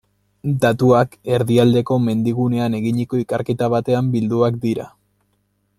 Datuak Erdialdeko Mendigunean eginiko ikerketa batean bilduak dira.